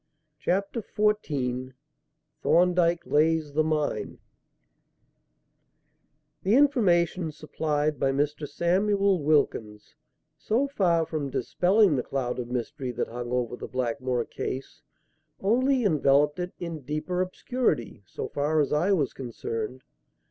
Chapter XIV Thorndyke Lays the Mine The information supplied by Mr. Samuel Wilkins, so far from dispelling the cloud of mystery that hung over the Blackmore case, only enveloped it in deeper obscurity, so far as I was concerned.